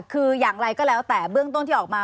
คืออย่างไรก็แล้วแต่เบื้องต้นที่ออกมา